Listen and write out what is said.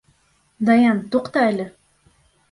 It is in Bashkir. Даян, туҡта әле!